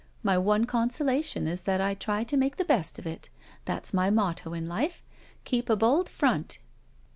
My one consolation is that I try to make the best of it. That's my motto in life, ' Keep a bold front.'